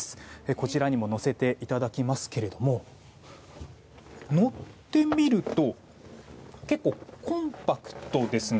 こちらにも乗せていただきますが乗ってみると結構コンパクトですね。